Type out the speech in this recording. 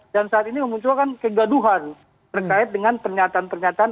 dan saat ini memunculkan kegaduhan terkait dengan pernyataan pernyataan